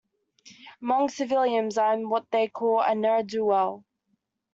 Among civilians I am what they call a ne'er-do-well.